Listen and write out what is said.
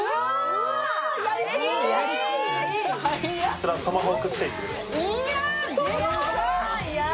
こちらトマホークステーキです。